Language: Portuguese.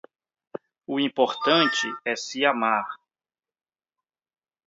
o importante é se amar